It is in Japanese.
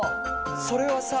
それはさ。